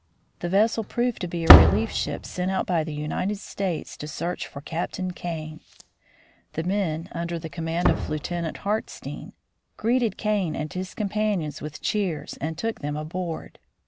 The vessel proved to be a relief ship sent out by the United States to search for Captain Kane. The men, under command of Lieutenant Hartstene, greeted Kane and his companions with cheers and took them aboard.